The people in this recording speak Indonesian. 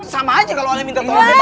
sama aja kalo ada yang minta tau om